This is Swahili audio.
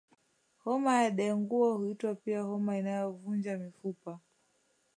Homa ya dengua huitwa pia homa inayovunja mifupa